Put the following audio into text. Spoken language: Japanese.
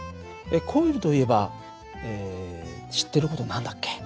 コイルといえば知ってる事何だっけ？